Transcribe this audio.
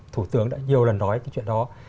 thủ tướng đã nhiều lần nói cái chuyện đó